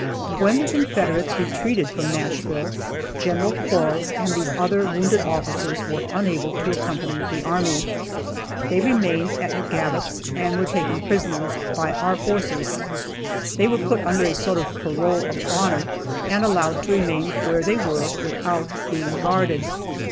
When the Confederates retreated from Nashville, Gen. Quarles and these other wounded officers were unable to accompany the army. They remained at McGavock's, and were taken prisoners by our forces. They were put under a sort of parole of honor, and allowed to remain where they were, without being guarded.